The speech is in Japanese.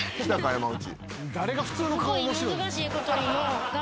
山内。